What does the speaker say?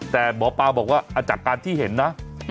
แต่หมอปลาบอกว่าจากการที่เห็นนะ